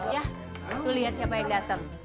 ya itu lihat siapa yang datang